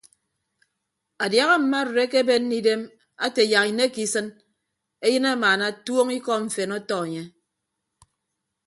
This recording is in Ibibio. Adiaha mma arịd akebenne idem ate yak inekke isịn eyịn amaana tuoñ ikọ mfen ọtọ enye.